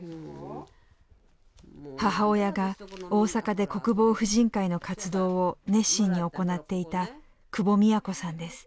母親が大阪で国防婦人会の活動を熱心に行っていた久保三也子さんです。